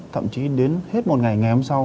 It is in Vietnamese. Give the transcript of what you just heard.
thậm chí đến hết một ngày ngày hôm sau